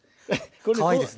かわいいですね。